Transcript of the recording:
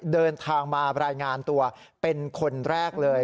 เดินทางมารายงานตัวเป็นคนแรกเลย